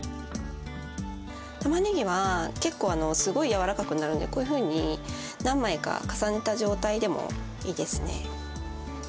たまねぎは結構すごい柔らかくなるんでこういうふうに何枚か重ねた状態でもいいですね。